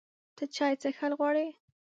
ته چای څښل غواړې؟